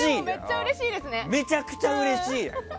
めちゃくちゃうれしい。